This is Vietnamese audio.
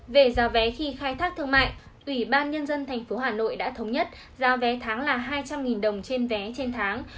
về giao vé khi khai thác thương mại ủy ban nhân dân thành phố hà nội đã thống nhất giao vé tháng là hai trăm linh đồng trên vé trên tháng